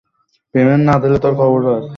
গোত্রের মান-মর্যাদা আমাদের উপরই নির্ভরশীল।